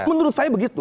menurut saya begitu